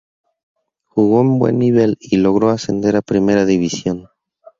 Jugó en un buen nivel y logró ascender a Primera División.